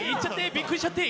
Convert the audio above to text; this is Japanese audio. びっくりしちゃって！